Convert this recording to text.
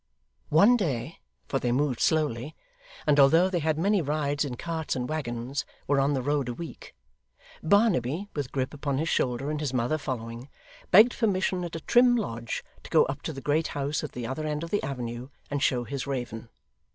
One day for they moved slowly, and although they had many rides in carts and waggons, were on the road a week Barnaby, with Grip upon his shoulder and his mother following, begged permission at a trim lodge to go up to the great house, at the other end of the avenue, and show his raven.